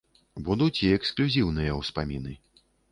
Будуць і эксклюзіўныя ўспаміны.